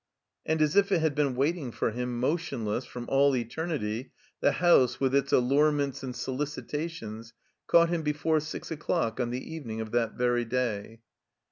And as if it had been waiting for him, motionless, from all eternity, the house, with its allurements and solicitations, caught him before six o'clock on the evening of that very day.